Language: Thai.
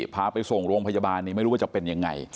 พาไปส่งโรงพยาบาลนี่ไม่รู้ว่าจะเป็นยังไง